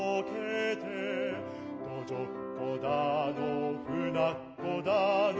「どじょっこだのふなっこだの」